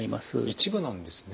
一部なんですね。